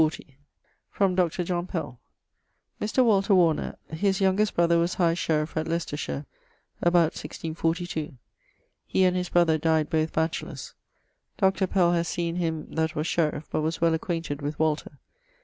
From Dr. John Pell: Mr Walter Warner: his youngest brother was High Sheriff of Leicestershire, about 1642. He and his brother dyed both batchelors. Dr. Pell haz seen him that was sheriff; but was well acquainted with Walter.